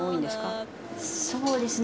そうですね